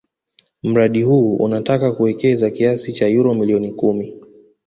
Mradi huu unataka kuwekeza kiasi ya euro milioni kumi